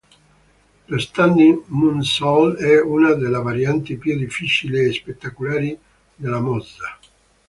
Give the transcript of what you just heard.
Lo standing moonsault è una delle varianti più difficili e spettacolari della mossa.